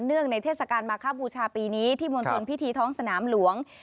เนื่องในเทศกาลมาคพบุชาปีนี้ที่บนทุนพิถีท้องสนามหลวง